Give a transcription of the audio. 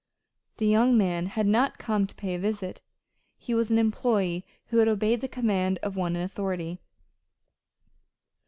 The young man had not come to pay a visit: he was an employee who had obeyed the command of one in authority.